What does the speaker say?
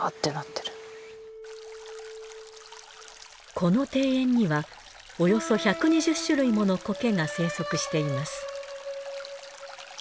この庭園にはおよそ１２０種類もの苔が生息しています。